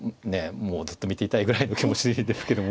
もうずっと見ていたいぐらいの気持ちですけども。